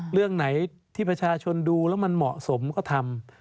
เรื่องไหนที่ประชาชนดูแล้วมันเหมาะสมก็ทำ